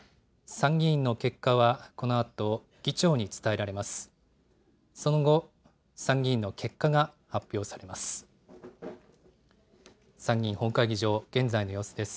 参議院の結果はこのあと議長に伝えられます。